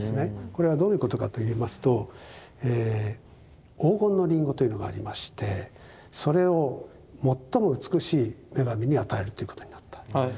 これはどういうことかといいますと黄金のリンゴというのがありましてそれを最も美しい女神に与えるということになった。